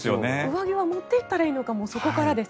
上着は持っていったらいいのかそこからです。